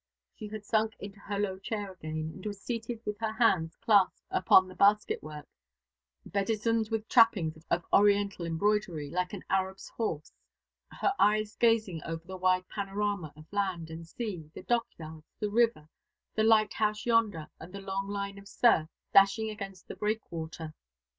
She had sunk into her low chair again, and was seated with her hands clasped upon the basket work, bedizened with trappings of Oriental embroidery, like an Arab's horse her eyes gazing over the wide panorama of land and sea, the dockyards, the river, the lighthouse yonder, and the long line of surf dashing against the breakwater.